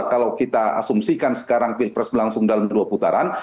kalau kita asumsikan sekarang pilpres berlangsung dalam dua putaran